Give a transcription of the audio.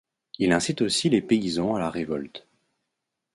Il incite aussi les paysans à la révolte.